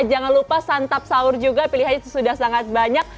jangan lupa santap sahur juga pilihan sudah sangat banyak